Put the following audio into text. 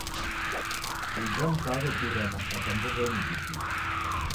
Uja mka w'aw'eburua masaka mbuw'enyi didiwi